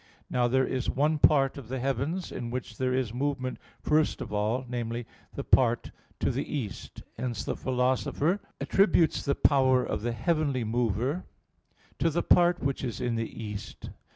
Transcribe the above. Now there is one part of the heavens in which there is movement first of all, namely, the part to the east: hence the Philosopher (Phys. vii, text 84) attributes the power of the heavenly mover to the part which is in the east.